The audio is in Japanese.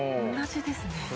同じですね。